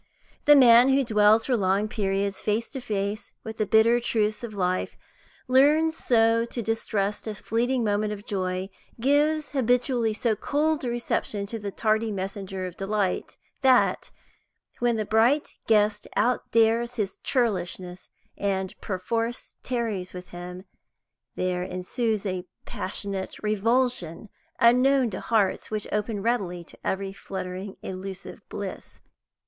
The man who dwells for long periods face to face with the bitter truths of life learns so to distrust a fleeting moment of joy, gives habitually so cold a reception to the tardy messenger of delight, that, when the bright guest outdares his churlishness and perforce tarries with him, there ensues a passionate revulsion unknown to hearts which open readily to every fluttering illusive bliss.